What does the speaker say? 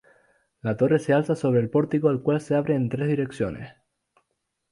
La torre se alza sobre el pórtico al cual se abre en tres direcciones.